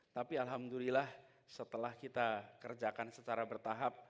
tapi alhamdulillah setelah kita kerjakan secara bertahap